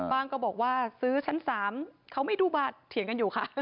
ก็บอกว่าซื้อชั้น๓เขาไม่ดูบัตรเถียงกันอยู่ค่ะ